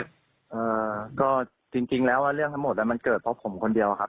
อ่าก็จริงจริงแล้วว่าเรื่องทั้งหมดอ่ะมันเกิดเพราะผมคนเดียวครับ